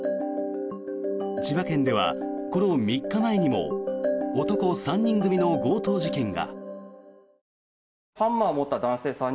千葉県ではこの３日前にも男３人組の強盗事件が。